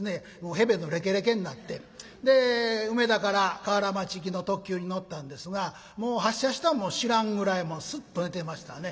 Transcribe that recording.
へべのれけれけになってで梅田から河原町行きの特急に乗ったんですがもう発車したんも知らんぐらいすっと寝てましたね。